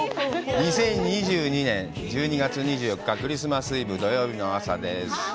２０２２年１２月２４日、クリスマスイブ土曜日の朝です。